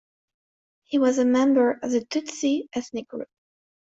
He was a member of the Tutsi ethnic group.